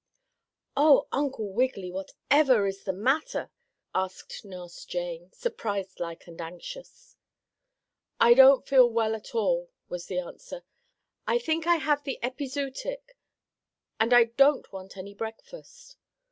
"Oh, Uncle Wiggily, whatever is the matter?" asked Nurse Jane, surprised like and anxious. "I don't feel at all well," was the answer. "I think I have the epizootic, and I don't want any breakfast."